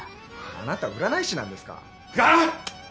あなた占い師なんですか？